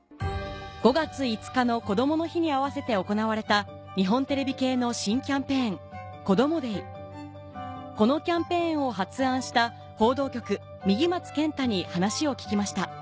５月５日のこどもの日に合わせて行われたこのキャンペーンを発案した報道局右松健太に話を聞きました